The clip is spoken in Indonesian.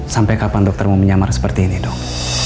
sampai kapan doktermu menyamar seperti ini dong